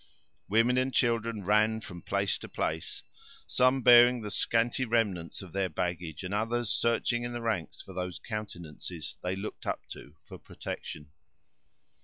Women and children ran from place to place, some bearing the scanty remnants of their baggage, and others searching in the ranks for those countenances they looked up to for protection.